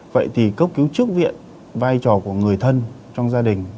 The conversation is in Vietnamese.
vậy thì cấp cứu trước viện vai trò của người thân trong gia đình